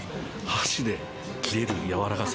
箸で切れる柔らかさ。